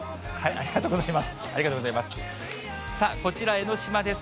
ありがとうございます。